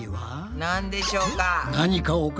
なんでしょうか？